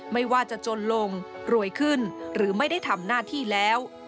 ไม่ว่าจะจนลงรวยขึ้นหรือไม่ได้ทำหน้าที่แล้ว